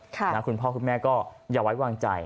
คุณพ่อคุณแม่ก็อย่าไว้วางใจ